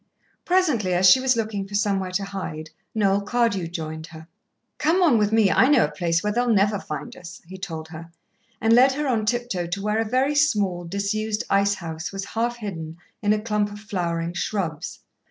Presently, as she was looking for somewhere to hide, Noel Cardew joined her. "Come on with me I know a place where they'll never find us," he told her, and led her on tip toe to where a very small, disused ice house was half hidden in a clump of flowering shrubs.